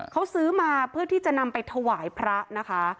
เขาซื้อมาเพื่อที่จะนำไปถวายพระนะคะ